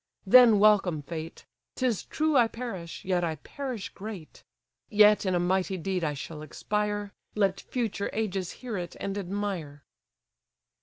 Then welcome fate! 'Tis true I perish, yet I perish great: Yet in a mighty deed I shall expire, Let future ages hear it, and admire!"